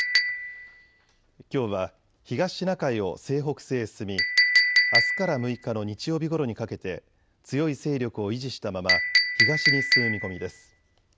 きょうは東シナ海を西北西へ進みあすから６日の日曜日ごろにかけて強い勢力を維持したまま東に進む見込みです。